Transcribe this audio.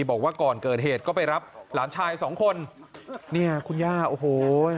บอกว่าก่อนเกิดเหตุก็ไปรับหลานชายสองคนเนี่ยคุณย่าโอ้โห